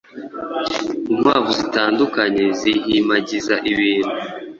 Inkwavu zitandukanye, zihimagiza Ibintu